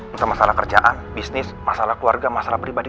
entah masalah kerjaan bisnis masalah keluarga masalah pribadi